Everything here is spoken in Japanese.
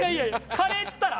「カレー」っつったら？